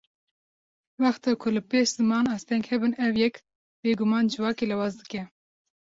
Wexta ku li pêş ziman asteng hebin ev yek, bêguman civakê lawaz dike